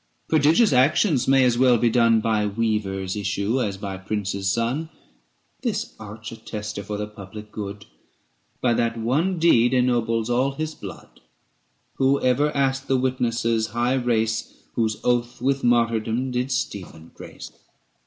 Prodigious actions may as well be done By weaver's issue as by prince's son. This arch attester for the public good 640 By that one deed ennobles all his blood. Who ever asked the witnesses' high race Whose oath with martyrdom did Stephen grace?